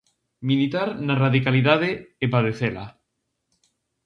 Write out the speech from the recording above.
Militar na radicalidade e padecela.